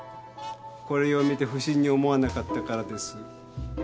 これを見て不審に思わなかったからです。